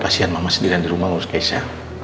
kasian mama sendiri di rumah ngurus keisha